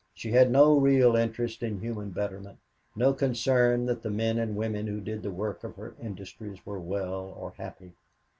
She had no real interest in human betterment, no concern that the men and women who did the work of her industries were well or happy.